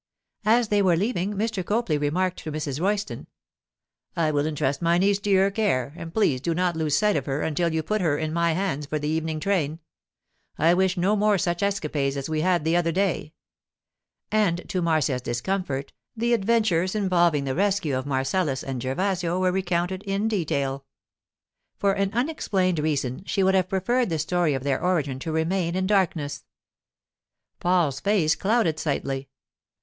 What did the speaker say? As they were leaving, Mr. Copley remarked to Mrs. Royston— 'I will entrust my niece to your care, and please do not lose sight of her until you put her in my hands for the evening train. I wish no more such escapades as we had the other day.' And, to Marcia's discomfort, the adventures involving the rescue of Marcellus and Gervasio were recounted in detail. For an unexplained reason, she would have preferred the story of their origin to remain in darkness. Paul's face clouded slightly.